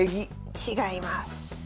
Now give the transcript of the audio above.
違います。